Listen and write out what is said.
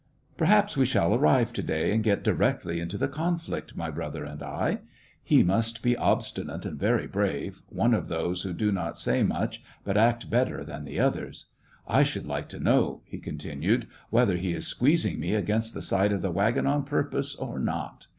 " Per haps we shall arrive to day, and get directly into the conflict, my brother and I. He must be obsti nate and very brave, one of those who do not say much, but act better than others. I should like to know," he continued, " whether he is squeezing me against the side of the wagon on purpose or not.